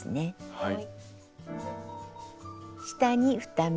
はい。